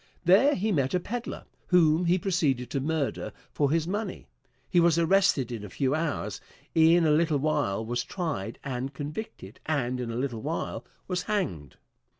There he met a peddler, whom he proceeded to murder for his money. He was arrested in a few hours, in a little while was tried and convicted, and in a little while was hanged.